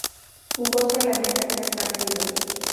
Jugó solamente tres partidos.